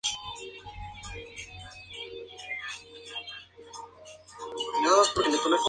La Caixa colabora con su fondo social.